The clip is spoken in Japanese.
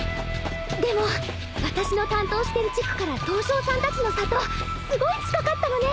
でも私の担当してる地区から刀匠さんたちの里すごい近かったのね。